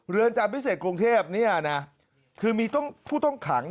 เรือนจำวิสิตกรุงเทพนี่นะคือมีผู้ต้องขัง